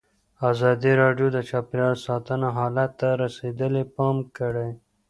ازادي راډیو د چاپیریال ساتنه حالت ته رسېدلي پام کړی.